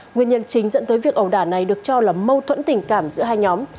nguyên nhân chính dẫn tới việc ẩu đả này được cho là mâu thuẫn tình cảm giữa hai nhóm